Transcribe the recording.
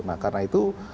nah karena itu